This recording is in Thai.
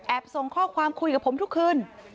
ส่งข้อความคุยกับผมทุกคืน